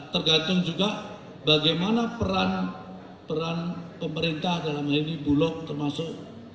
tergantung juga bagaimana peran pemerintah dalam hal ini bulog termasuk